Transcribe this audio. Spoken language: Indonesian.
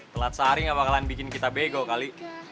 telat sehari gak bakalan bikin kita bego kali